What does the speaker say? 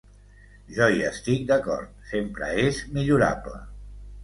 Jo hi estic d’acord, sempre és millorable.